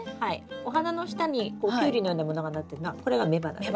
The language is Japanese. お花の下にキュウリのようなものがなってるのはこれが雌花です。